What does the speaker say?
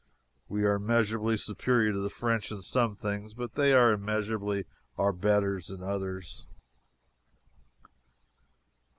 We are measurably superior to the French in some things, but they are immeasurably our betters in others.